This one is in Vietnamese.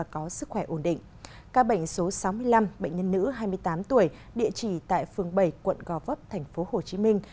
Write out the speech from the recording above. các bệnh số sáu mươi năm bệnh nhân nữ hai mươi tám tuổi địa chỉ tại phường bảy quận gò vấp tp hồ chí minh